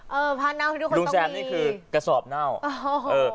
เออผ้าเน่าที่ทุกคนต้องมีลุงแซมนี่คือกระสอบเน่าโอ้โฮ